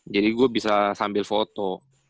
jadi gua bisa sambil foto